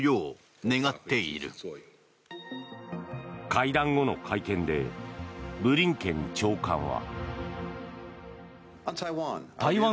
会談後の会見でブリンケン長官は。